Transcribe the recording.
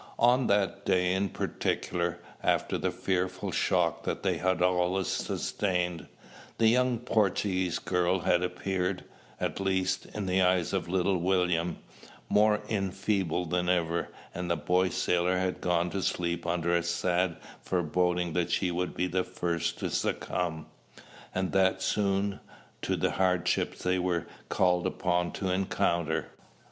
On that day in particular, after the fearful shock they had all sustained, the young Portuguese girl had appeared, at least, in the eyes of little William, more enfeebled than ever; and the boy sailor had gone to sleep under a sad foreboding that she would be the first to succumb, and that soon, to the hardships they were called upon to encounter.